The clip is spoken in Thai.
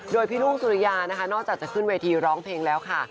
โดยพี่รุ่งสุริยานะคะนอกจากจะขึ้นเวทีร้องเพลงแล้วค่ะ